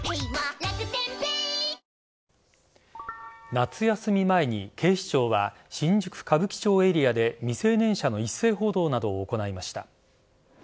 夏休み前に、警視庁は新宿・歌舞伎町エリアで未成年者の一斉補導などを行いました。